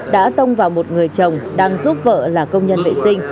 đã tông vào một người chồng đang giúp vợ là công nhân vệ sinh